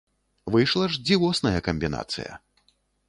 Выйшла ж дзівосная камбінацыя.